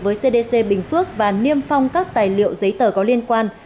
với cdc bình phước và niêm phong các tài liệu giấy tờ có liên quan